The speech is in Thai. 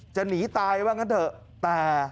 จะหนีตายว่างั้นเถอะ